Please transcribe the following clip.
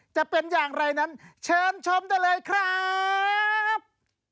จะเป็นอย่างไรนั้นเชิญชมได้เลยครับ